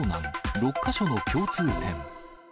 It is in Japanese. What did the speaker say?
６か所の共通点。